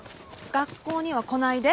学校には来ないで。